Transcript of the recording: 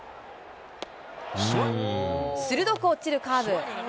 鋭く落ちるカーブ。